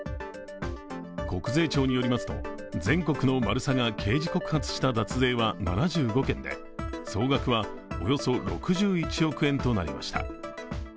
国税庁によりますと、全国のマルサが刑事告発した脱税は７５件で総額はおよそ６１億円となりました。